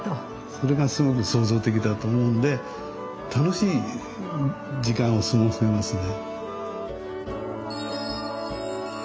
それがすごく創造的だと思うんで楽しい時間を過ごせますね。